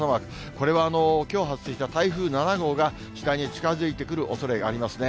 これはきょう発生した台風７号が、次第に近づいてくるおそれがありますね。